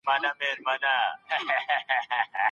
یارانځی